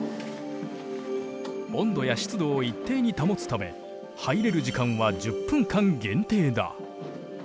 温度や湿度を一定に保つため入れる時間は１０分間限定だ。